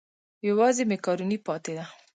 یوازې مېکاروني پاتې ده.